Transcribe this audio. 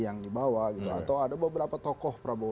yang dibawa atau ada beberapa tokoh